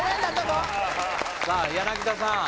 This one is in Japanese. さあ田さん